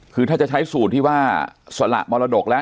คือถ้าจะใช้สูตรที่ว่าสละมรดกแล้ว